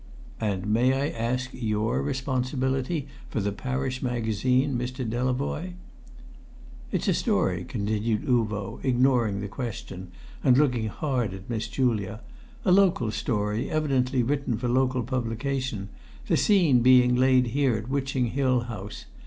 "And may I ask your responsibility for the Parish Magazine, Mr. Delavoye?" "It's a story," continued Uvo, ignoring the question and looking hard at Miss Julia "a local story, evidently written for local publication, the scene being laid here at Witching Hill House.